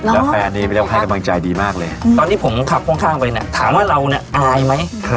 ไม่มีใครรู้จักเรานี่อะเคยอายกันไหม